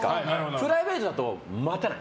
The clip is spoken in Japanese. プライベートだと待たない。